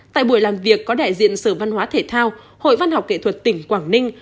tại buổi làm việc có đại diện sở văn hóa thể thao hội văn học nghệ thuật tỉnh quảng ninh